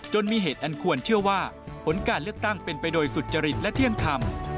มีเหตุอันควรเชื่อว่าผลการเลือกตั้งเป็นไปโดยสุจริตและเที่ยงธรรม